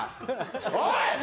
おい！